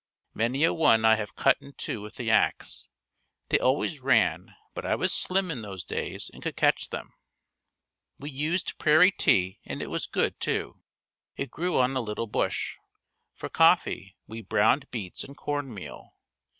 Many a one I have cut in two with the ax. They always ran but I was slim in those days and could catch them. We used prairie tea and it was good too. It grew on a little bush. For coffee we browned beets and corn meal.